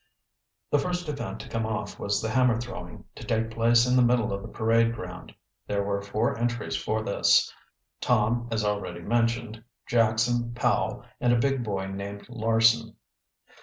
The first event to come off was the hammer throwing, to take place in the middle of the parade ground. There were four entries for this, Tom, as already mentioned, Jackson, Powell, and a big boy named Larson.